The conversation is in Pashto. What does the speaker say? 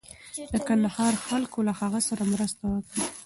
د کندهار خلکو له هغه سره مرسته وکړه.